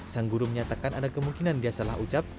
sang guru menyatakan ada kemungkinan dia salah ucap